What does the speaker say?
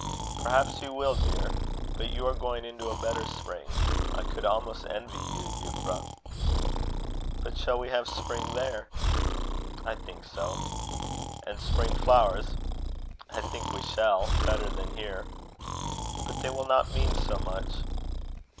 "Perhaps you will, dear; but you are going into a better spring. I could almost envy you, Euphra." "But shall we have spring there?" "I think so." "And spring flowers?" "I think we shall better than here." "But they will not mean so much."